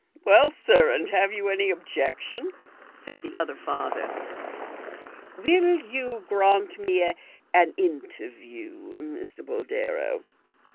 " Well, sir, and have you any objection ?" said the other father. " Will you grant me an interview, Mr. Boldero